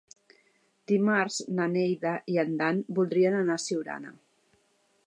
Dimarts na Neida i en Dan voldrien anar a Siurana.